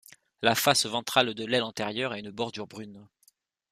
La face ventrale de l'aile antérieure a une bordure brune.